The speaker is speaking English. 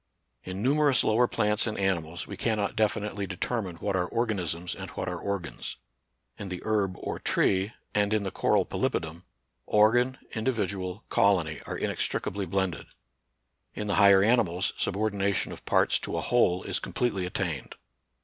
In numerous lower plants and animals we cannot definitely determine what are organisms and what are ar gans ; in the herb or tree, and in the coral polypidom, organ, individual, colony are inextricably blended ; in the higher animals subordination of parts to a whole is completely attained.